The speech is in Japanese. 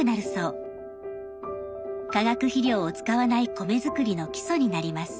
化学肥料を使わない米作りの基礎になります。